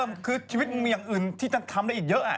คือชีวิตมึงมีอย่างอื่นที่ฉันทำได้อีกเยอะ